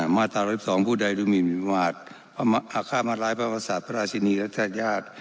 มาตรา๑๑๒ผู้ใดรูปมีนมีประมาทอาฆาตมาร้ายประมาศศาสตร์พระราชินีและท่านญาติ